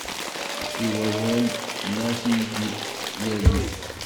I wawal ma ad iyi-d-yali.